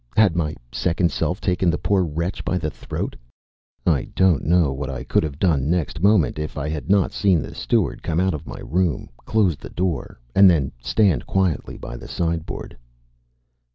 Had my second self taken the poor wretch by the throat? I don't know what I could have done next moment if I had not seen the steward come out of my room, close the door, and then stand quietly by the sideboard.